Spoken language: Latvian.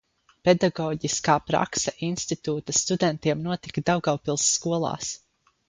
Pedagoģiskā prakse institūta studentiem notika Daugavpils skolās.